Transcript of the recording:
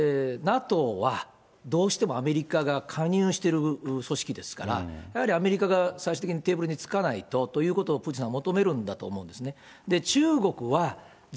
ＮＡＴＯはどうしてもアメリカが加入している組織ですから、やはりアメリカが最終的にテーブルに着かないとということをプーチンさん求めるんだと思うんですね。